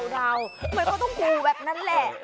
เดามันก็ต้องขู่แบบนั้นแหละ